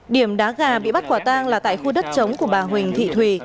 điểm đá gà bị bắt quả tang là tại khu đất chống của bà huỳnh thị thùy